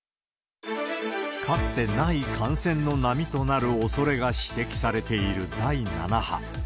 かつてない感染の波となるおそれが指摘されている第７波。